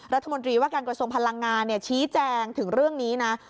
รัฐมนตรีว่าการกระทรวงพลังงานชี้แจงถึงเรื่องนี้นะ